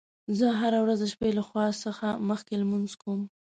زه هره ورځ د شپې له خوب څخه مخکې لمونځ کوم